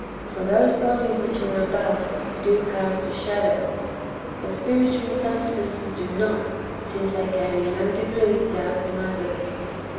For those bodies which are above do cast a shadow, but spiritual substances do not, since they can in no degree darken others.